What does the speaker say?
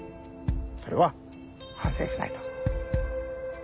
それは反省しないと。